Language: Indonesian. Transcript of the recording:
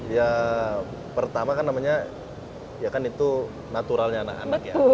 ya pertama kan namanya ya kan itu naturalnya anak anak ya